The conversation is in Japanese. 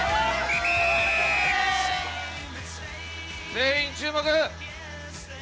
全員注目！